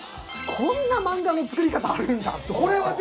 こんな漫画の作り方あるんだ！と思って。